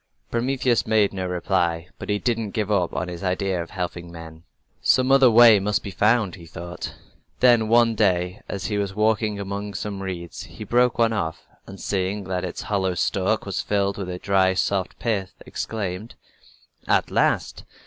Prometheus made no reply, but he didn't give up his idea of helping men. "Some other way must be found," he thought. Then, one day, as he was walking among some reeds he broke off one, and seeing that its hollow stalk was filled with a dry, soft pith, exclaimed: "At last!